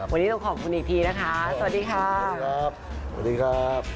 วันนี้ต้องขอบคุณอีกทีสวัสดีค่ะ